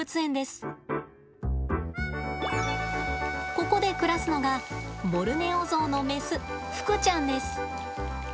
ここで暮らすのがボルネオゾウのメスふくちゃんです。